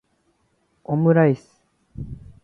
omuraisu